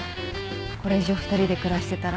これ以上２人で暮らしてたら。